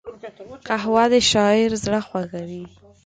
قهوه د شاعر زړه خوږوي